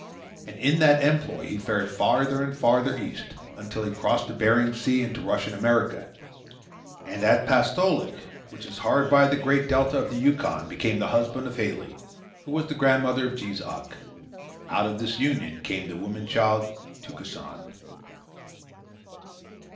And in that employ he fared farther and farther east, until he crossed Bering Sea into Russian America; and at Pastolik, which is hard by the Great Delta of the Yukon, became the husband of Halie, who was the grandmother of Jees Uck. Out of this union came the woman child, Tukesan.